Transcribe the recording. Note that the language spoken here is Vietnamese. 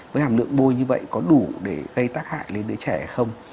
với hàm lượng bôi như vậy có đủ để gây tác hại lên đứa trẻ hay không